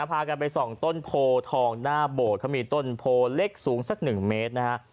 พากันไปส่องต้นโพทองหน้าโบสถ์เขามีต้นโพเล็กสูงสักหนึ่งเมตรนะฮะ